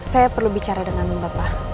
saya perlu bicara dengan bapak